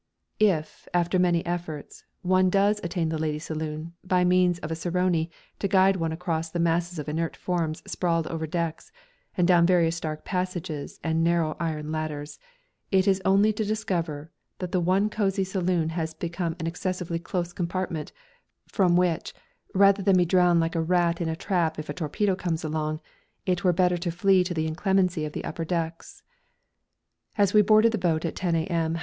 If, after many efforts, one does attain the ladies' saloon by means of a cicerone to guide one across the masses of inert forms sprawled over the decks, and down various dark passages and narrow iron ladders, it is only to discover that the once cosy saloon has become an excessively close compartment, from which, rather than be drowned like a rat in a trap if a torpedo comes along, it were better to flee to the inclemency of the upper decks. As we boarded the boat at 10 A.M.